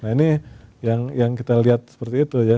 nah ini yang kita lihat seperti itu ya